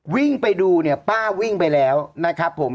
วิ่งไปดูเนี่ยป้าวิ่งไปแล้วนะครับผม